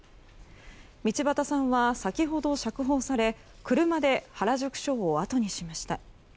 道端さんは先ほど釈放され車で原宿署をあとにしました。